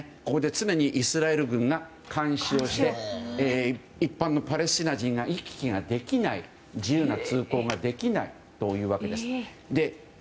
常にイスラエル軍が監視をして一般のパレスチナ人が行き来ができない、自由な通行ができないというわけです。